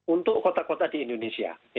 untuk kota kota di indonesia